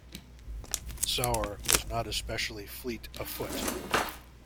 Sauer was not especially fleet afoot.